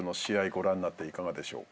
ご覧になっていかがでしょうか？